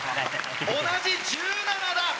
同じ１７だ！